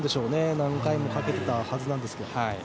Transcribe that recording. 何回もかけていたはずなんですけどね。